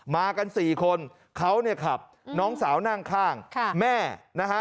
มากันสี่คนเขาเนี่ยขับน้องสาวนั่งข้างแม่นะฮะ